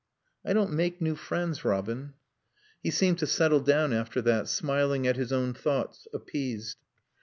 "I don't make new friends, Robin." He seemed to settle down after that, smiling at his own thoughts, appeased....